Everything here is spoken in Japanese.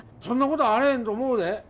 そんなことあれへんと思うで。